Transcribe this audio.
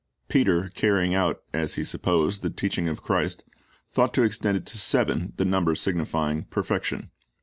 Peter, carrying out, as he supposed, the teaching of Christ, thought to extend it to seven, the number signifying perfection.